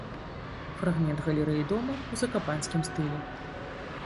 Фрагмент галерэі дома ў закапанскім стылі.